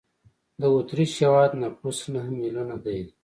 د اوترېش هېواد نفوس نه میلیونه دی.